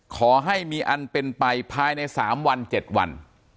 ขอให้มีอันเป็นไปภายใน๓วัน๗วัน